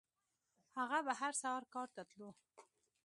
هغه به هر سهار کار ته تلو.